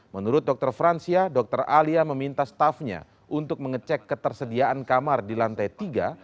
menurut dokter fransia dr alia meminta staffnya untuk mengecek ketersediaan kamar di lantai tiga